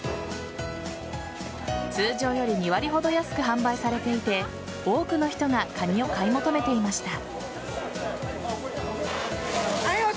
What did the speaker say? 通常より２割ほど安く販売されていて多くの人がカニを買い求めていました。